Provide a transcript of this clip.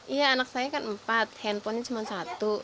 iya anak saya kan empat handphonenya cuma satu